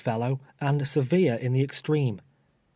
fellow, ami severe in the extreme.